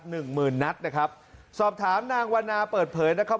หนึ่งหมื่นนัดนะครับสอบถามนางวันนาเปิดเผยนะครับ